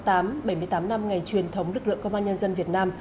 bảy mươi tám năm ngày truyền thống lực lượng công an nhân dân việt nam